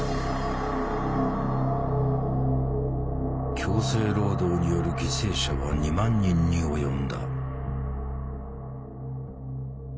強制労働による犠牲者は２万人に及んだ。